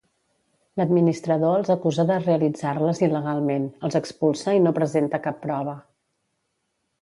L'administrador els acusa de realitzar-les il·legalment, els expulsa i no presenta cap prova.